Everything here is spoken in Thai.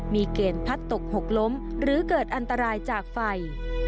มีเกณฑ์พัดตกหกล้มหรือเกิดอันตรายจากไฟ